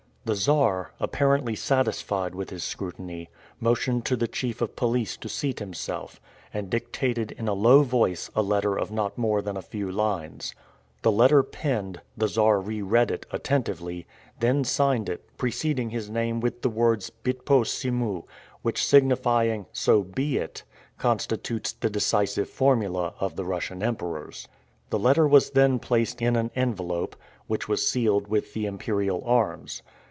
The Czar, apparently satisfied with his scrutiny, motioned to the chief of police to seat himself, and dictated in a low voice a letter of not more than a few lines. The letter penned, the Czar re read it attentively, then signed it, preceding his name with the words "Byt po semou," which, signifying "So be it," constitutes the decisive formula of the Russian emperors. The letter was then placed in an envelope, which was sealed with the imperial arms.